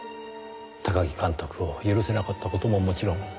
高木監督を許せなかった事ももちろん。